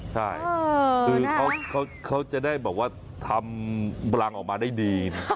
ใช่คือเขาจะได้แบบว่าทำรังออกมาได้ดี